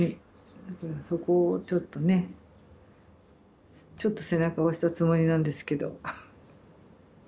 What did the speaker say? だからそこをちょっとねちょっと背中を押したつもりなんですけど。